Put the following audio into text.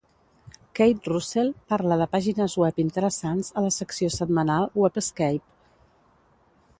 Kate Russell parla de pàgines web interessants a la secció setmanal "Webscape".